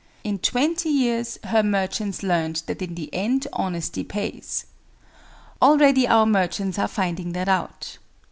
In twenty years her merchants learned that in the end honesty pays. Already our merchants are finding that out.